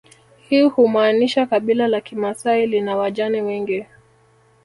Hii humaanisha kabila la kimasai lina wajane wengi